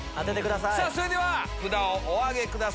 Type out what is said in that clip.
それでは札をお挙げください。